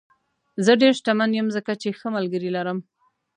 زه ډېر شتمن یم ځکه چې ښه ملګري لرم.